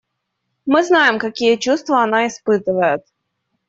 Мы знаем, какие чувства она испытывает.